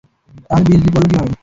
তাহলে বিজলি পড়লো কীভাবে?